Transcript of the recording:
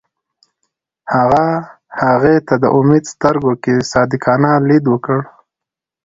هغه هغې ته د امید سترګو کې صادقانه لید وکړ.